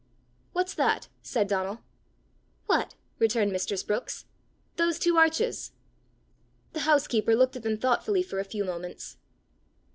"What's that?" said Donal. "What?" returned Mrs. Brookes. "Those two arches." The housekeeper looked at them thoughtfully for a few moments.